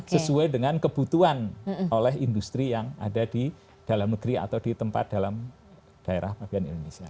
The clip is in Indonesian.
sesuai dengan kebutuhan oleh industri yang ada di dalam negeri atau di tempat dalam daerah bagian indonesia